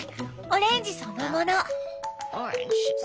オレンジそのもの！